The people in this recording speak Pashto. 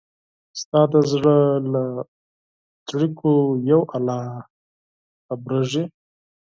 ستا د زړه له څړیکو یو الله خبریږي